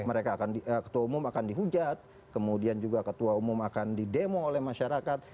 mereka akan ketua umum akan dihujat kemudian juga ketua umum akan didemo oleh masyarakat